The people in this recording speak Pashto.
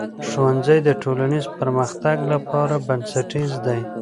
ښوونځی د ټولنیز پرمختګ لپاره بنسټیز دی.